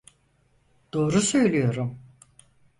Doğru söylüyorum.